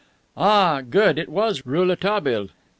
Ah, good! it was Rouletabille.